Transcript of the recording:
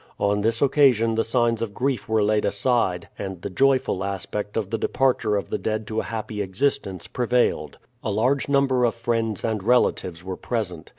On this occasion the signs of grief were laid aside, and the joyful aspect of the departure of the dead to a happy existence prevailed. A large number of friends and relatives were present.